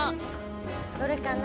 どれかな。